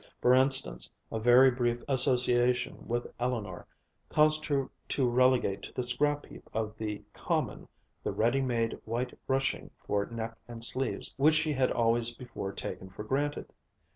For instance, a very brief association with Eleanor caused her to relegate to the scrapheap of the "common" the ready made white ruching for neck and sleeves which she had always before taken for granted.